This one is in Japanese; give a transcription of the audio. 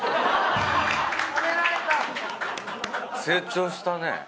成長したね。